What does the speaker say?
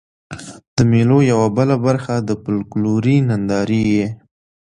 د مېلو یوه بله برخه د فکلوري نندارې يي.